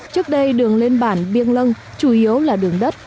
trước đây đường lên bảng biên lân chủ yếu là đường đất